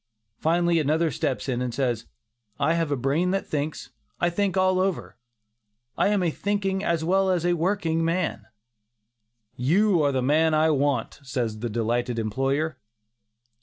Finally another steps in, and says, "I have a brain that thinks; I think all over; I am a thinking as well as a working man!" "You are the man I want," says the delighted employer.